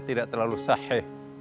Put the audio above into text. tidak terlalu sahih